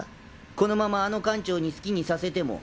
このままあの艦長に好きにさせても。